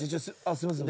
すいません。